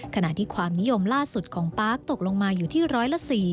ขณะที่ความนิยมล่าสุดของปาร์คตกลงมาอยู่ที่ร้อยละ๔